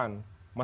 tentang masa depan